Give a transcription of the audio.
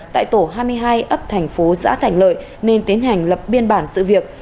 tại tổ hai mươi hai ấp thành phố xã thành lợi nên tiến hành lập biên bản sự việc